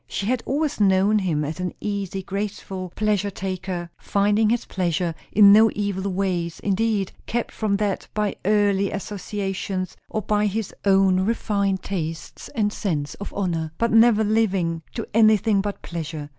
She had always known him as an easy, graceful, pleasure taker; finding his pleasure in no evil ways, indeed; kept from that by early associations, or by his own refined tastes and sense of honour; but never living to anything but pleasure.